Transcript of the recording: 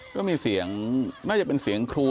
ก็มีเสียงน่าจะเป็นเสียงครู